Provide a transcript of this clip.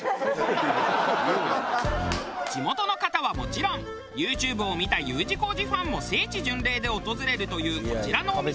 地元の方はもちろんユーチューブを見たＵ字工事ファンも聖地巡礼で訪れるというこちらのお店。